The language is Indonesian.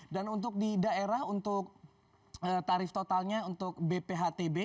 dan untuk di daerah untuk tarif totalnya untuk bphtb